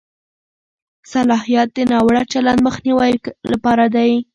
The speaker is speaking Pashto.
صلاحیت د ناوړه چلند مخنیوي لپاره دی.